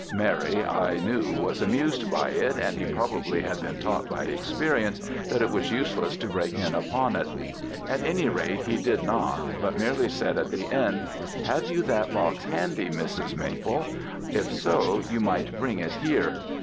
Mary, I knew, was amused by it, and he probably had been taught by experience that it was useless to break in upon it. At any rate he did not, but merely said at the end, 'Have you that box handy, Mrs. Maple? If so, you might bring it here.'